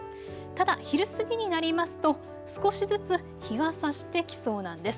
ただ昼過ぎになりますと少しずつ日がさしてきそうなんです。